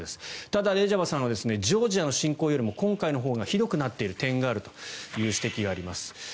ただ、レジャバさんはジョージアの侵攻よりも今回のほうがひどくなっている点があるという指摘があります。